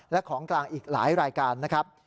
และของกลางอีกหลายรายการนะครับ